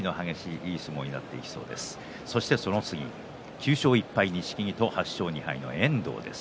９勝１敗、錦木と８勝２敗の遠藤です。